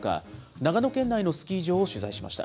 長野県内のスキー場を取材しました。